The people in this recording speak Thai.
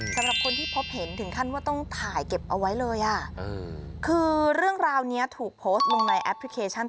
สำหรับคนที่พบเห็นถึงขั้นว่าต้องถ่ายเก็บเอาไว้เลยอ่ะคือเรื่องราวนี้ถูกโพสต์ลงในแอปพลิเคชัน